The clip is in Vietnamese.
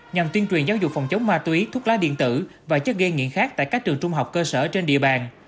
nhằm tuyên truyền giáo dục phòng chống ma túy thuốc lá điện tử và chất ghi nghiện khác tại các trường trung học cơ sở trên địa bàn